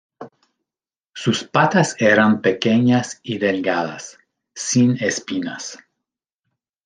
Sus patas eran pequeñas y delgadas, sin espinas.